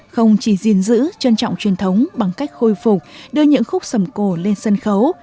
không chỉ gìn giữ trân trọng truyền thống bằng cách khôi phục đưa những khúc sầm cổ lên sân khấu